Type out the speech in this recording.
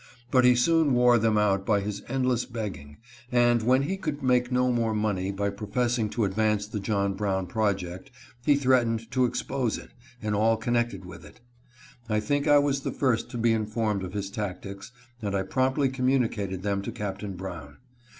But he soon wore them out by his endless beg ging ; and when he could make no more money by pro fessing to advance the John Brown project he threatened to expose it, and all connected with it. I think I was the first to be informed of his tactics, and I promptly com municated them to Captain Brown.